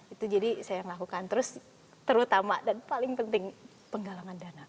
itu jadi saya yang lakukan terus terutama dan paling penting penggalangan dana